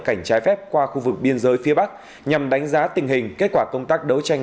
cảnh trái phép qua khu vực biên giới phía bắc nhằm đánh giá tình hình kết quả công tác đấu tranh